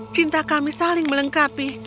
cinta kami saling melengkapi